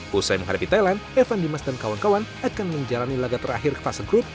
pusai menghadapi thailand evan dimas dan kawan kawan akan menjalani laga terakhir ke fase grup